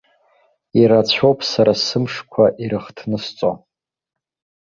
Ирацәоуп сара сымшқәа ирыхҭнысҵо.